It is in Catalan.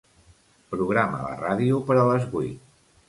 Programa la ràdio per a les vuit.